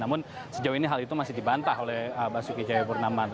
namun sejauh ini hal itu masih dibantah oleh basuki cahayapurnama